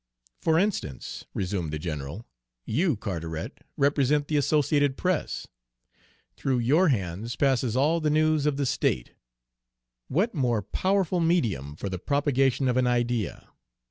"For instance," resumed the general, "you, Carteret, represent the Associated Press. Through your hands passes all the news of the state. What more powerful medium for the propagation of an idea?